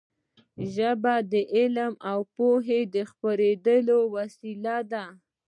ژبه د علم او پوهې د خپرېدو وسیله ده.